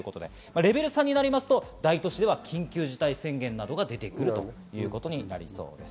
レベル３になると大都市では緊急事態宣言などが出てくるということです。